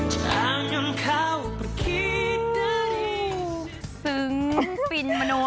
ซึ้งฟินมะนูอะไรประมาณนั้น